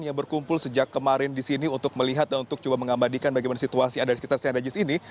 yang berkumpul sejak kemarin di sini untuk melihat dan untuk coba mengabadikan bagaimana situasi yang ada di sekitar st regis ini